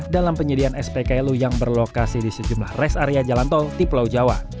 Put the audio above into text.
dalam penyediaan spklu yang berlokasi di sejumlah res area jalan tol di pulau jawa